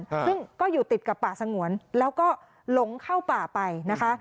ซึ่งก็อยู่ติดกับป่าสงวนแล้วก็หลงเข้าป่าไปนะคะ